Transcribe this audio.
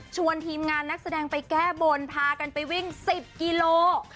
ทีมงานนักแสดงไปแก้บนพากันไปวิ่ง๑๐กิโล